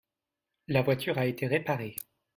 La voiture a été réparée.